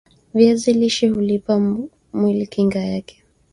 viazi lishe huupa mwili kinga yake